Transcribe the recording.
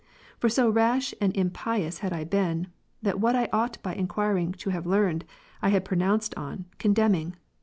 For so rash and impious had I been, that what I ought by enquiring to have learned, I had pronounced on, condemning.